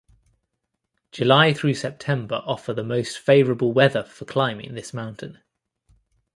July through September offer the most favorable weather for climbing this mountain.